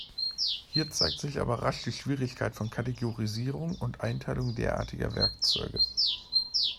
Hier zeigt sich aber rasch die Schwierigkeit von Kategorisierung und Einteilung derartiger Werkzeuge.